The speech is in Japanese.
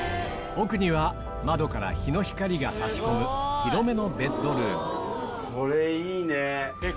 奥には窓から日の光が差し込む広めのこれいいね。